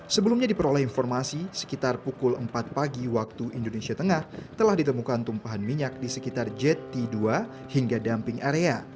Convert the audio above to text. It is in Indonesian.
sebelumnya diperoleh informasi sekitar pukul empat pagi waktu indonesia tengah telah ditemukan tumpahan minyak di sekitar jet t dua hingga dumping area